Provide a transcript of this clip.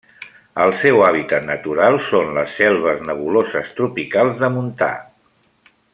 El seu hàbitat natural són les selves nebuloses tropicals de montà.